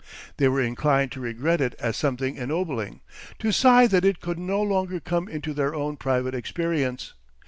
They were inclined to regret it as something ennobling, to sigh that it could no longer come into their own private experience.